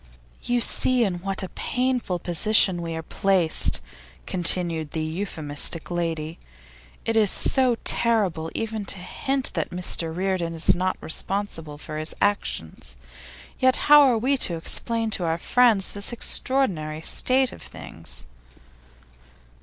'You see in what a painful position we are placed,' continued the euphemistic lady. 'It is so terrible even to hint that Mr Reardon is not responsible for his actions, yet how are we to explain to our friends this extraordinary state of things?